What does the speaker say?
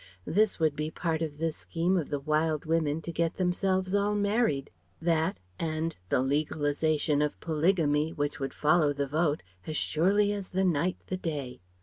This would be part of the scheme of the wild women to get themselves all married; that and the legalisation of Polygamy which would follow the Vote as surely as the night the day.